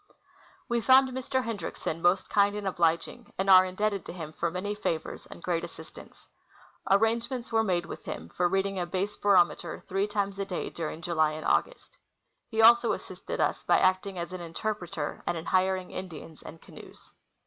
A¥e found Mr. Hendriksen most kind and obliging, and are indebted to him for manv favors and great assistance. Arrange ments were made with him for reading a base barometer three times a day during July and August. He also assisted us by acting as an interpreter, and in hiring Indians and canoes.